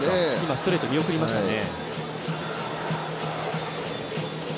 ストレート見送りましたね。